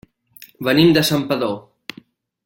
Venim de Santpedor.